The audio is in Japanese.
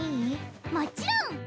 もちろん！